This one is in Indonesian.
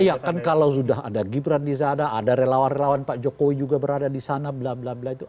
iya kan kalau sudah ada gibran disana ada relawan relawan pak jokowi juga berada disana bla bla bla itu